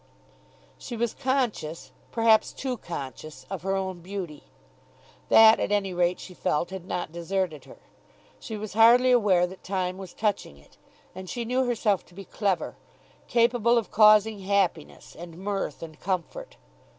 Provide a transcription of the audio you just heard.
She was conscious, perhaps too conscious, of her own beauty. That at any rate, she felt, had not deserted her. She was hardly aware that time was touching it. And she knew herself to be clever, capable of causing happiness, and mirth and comfort.